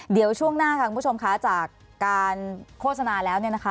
เดี๋ยวช่วงหน้าค่ะคุณผู้ชมค่ะจากการโฆษณาแล้วเนี่ยนะคะ